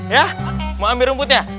ya mau ambil rumputnya